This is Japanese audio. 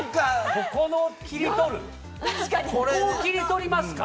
ここを切り取りますか。